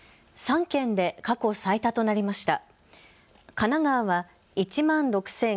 ３県で過去最多となりました。